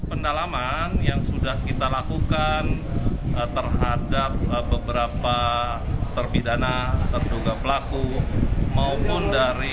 pendalaman yang sudah kita lakukan terhadap beberapa terpidana terduga pelaku maupun dari